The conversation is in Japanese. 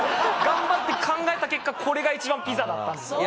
頑張って考えた結果これが一番ピザだったんです。